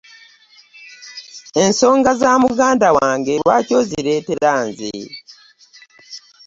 Ensonga z'amuganda wange lwaki oziretera nze?